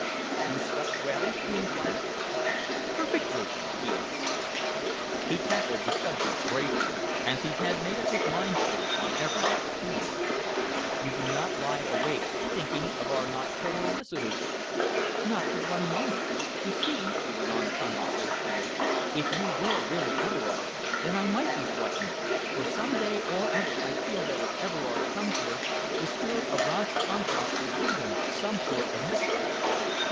"You slept well?" he enquired. "Perfectly," she answered. He tackled the subject bravely, as he had made up his mind to on every opportunity. "You do not lie awake thinking of our nocturnal visitor, then?" "Not for one moment. You see," she went on conversationally, "if you were really Everard, then I might be frightened, for some day or other I feel that if Everard comes here, the spirit of Roger Unthank will do him some sort of mischief."